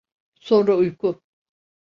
Sonra uyku…